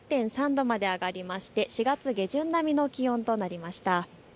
２０．３度まで上がりまして４月下旬並みの気温となりました。